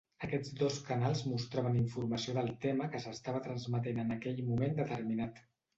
Aquests dos canals mostraven informació del tema que s'estava transmetent en aquell moment determinat.